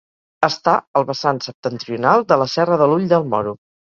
Està al vessant septentrional de la Serra de l'Ull del Moro.